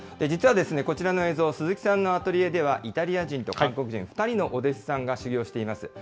実は、こちらの映像、鈴木さんのアトリエでは、イタリア人と韓国人、２人のお弟子さんが修業しています。